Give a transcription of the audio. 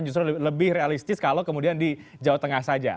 justru lebih realistis kalau kemudian di jawa tengah saja